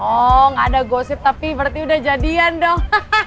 oh ada gosip tapi berarti udah jadian dong